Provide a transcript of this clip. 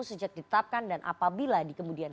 sejak ditetapkan dan apabila di kemudian